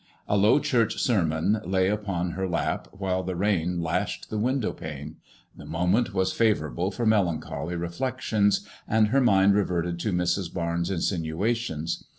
A Low Church sermon lay upon her lap, while the rain lashed the window pane. The moment was favourable for melancholy re flections, and her mind reverted to Mrs. Barnes' insinuations.